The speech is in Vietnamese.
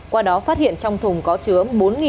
qua đó phát hiện trong thùng có chứa